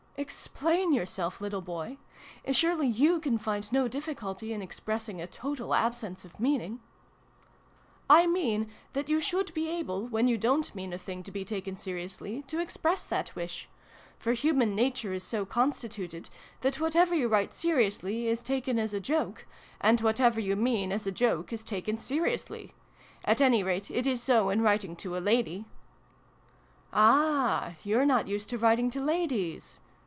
" Explain yourself, little boy ! Surely you can find no difficulty in expressing a total absence of meaning ?"" I mean that you should be able, when you dorit mean a thing to be taken seriously, to express that wish. For human nature is so constituted that whatever you write seriously is taken as a joke, and whatever you mean as a joke is taken seriously ! At any rate, it is so in writing to a lady !" "Ah! you're not used to writing to ladies!"